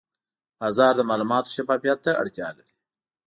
بازار د معلوماتو شفافیت ته اړتیا لري.